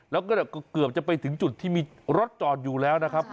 แล้วก็เกือบจะไปถึงจุดที่มีรถจอดอยู่แล้วนะครับ